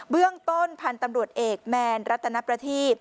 เรื่องต้นพันธุ์ตำรวจเอกแมนรัตนประทีป